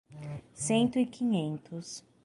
Cento e quinhentos